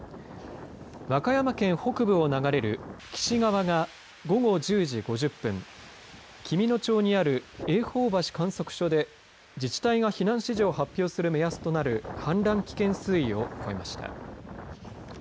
和歌山県北部を流れる貴志川が午後１０時５０分きみの町にあるえんほう橋観測所で自治体が避難指示を発表する目安となる氾濫危険水位を超えました。